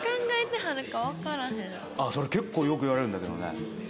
ああそれ結構よく言われるんだけどね。